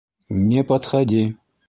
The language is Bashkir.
- Не подходи!